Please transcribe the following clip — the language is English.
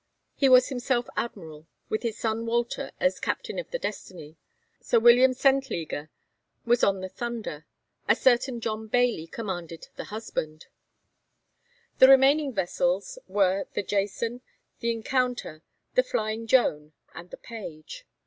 He was himself Admiral, with his son Walter as captain of the 'Destiny;' Sir William Sentleger was on the 'Thunder;' a certain John Bailey commanded the 'Husband.' The remaining vessels were the 'Jason,' the 'Encounter,' the 'Flying Joan,' and the 'Page.'